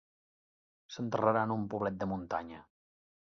S'enterrarà en un poblet de muntanya.